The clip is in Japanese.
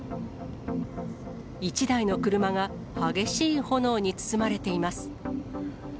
１台の車が激しい炎に包まれています。